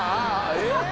えっ？